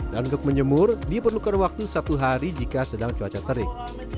dan untuk menjemur diperlukan waktu satu hari jika sedang cuaca terik